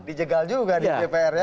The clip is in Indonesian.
dijegal juga di dpr ya